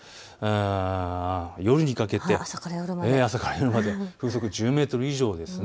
朝から夜まで風速１０メートル以上です。